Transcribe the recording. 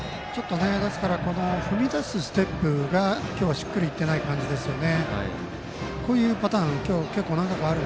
踏み出すステップが今日はしっくりいってない感じですね。